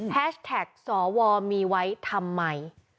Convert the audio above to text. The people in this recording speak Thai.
แท็กสวมีไว้ทำไม